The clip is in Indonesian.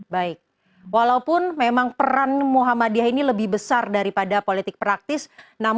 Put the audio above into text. baik walaupun memang peran muhammadiyah ini lebih besar daripada politik praktis